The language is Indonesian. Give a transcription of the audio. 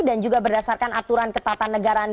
dan juga berdasarkan aturan ketatan negaraan